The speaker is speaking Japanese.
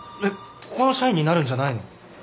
えっここの社員になるんじゃないの？